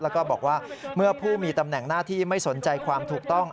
แล้วก็บอกว่าเมื่อผู้มีตำแหน่งหน้าที่ไม่สนใจความถูกต้อง